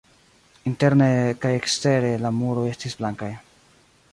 Interne kaj ekstere la muroj estis blankaj.